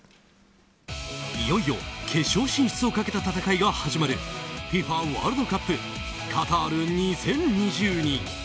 いよいよ決勝進出をかけた戦いが始まるＦＩＦＡワールドカップカタール２０２２。